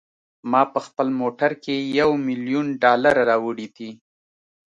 ما په خپل موټر کې یو میلیون ډالره راوړي دي.